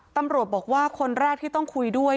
ตำรวจบอกว่าคนแรกที่ต้องคุยด้วย